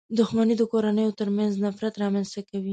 • دښمني د کورنيو تر منځ نفرت رامنځته کوي.